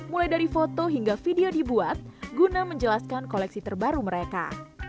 mulai dari foto hingga video dibuat guna menjelaskan koleksi terbaru mereka